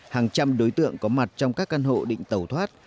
hàng trăm đối tượng có mặt trong các căn hộ định tẩu thoát